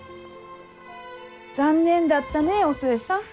残念だったねお寿恵さん。